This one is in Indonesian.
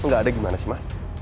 nggak ada gimana sih ma